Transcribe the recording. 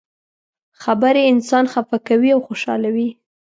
خبرې انسان خفه کوي او خوشحالوي.